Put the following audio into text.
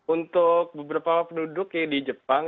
untuk beberapa penduduk di jepang